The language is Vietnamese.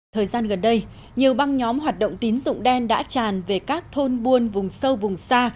thời gian gần đây nhiều băng nhóm hoạt động tín dụng đen đã tràn về các thôn buôn vùng sâu vùng xa